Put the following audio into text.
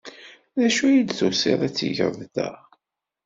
D acu ay d-tusiḍ ad t-tgeḍ da?